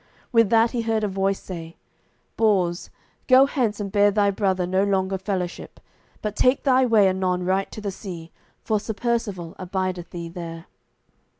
With that he heard a voice say, "Bors, go hence and bear thy brother no longer fellowship, but take thy way anon right to the sea, for Sir Percivale abideth thee there."